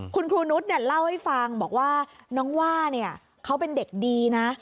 คุณครูนุษย์เล่าให้ฟังบอกว่าน้องว่าเขาเป็นเด็กดีนะ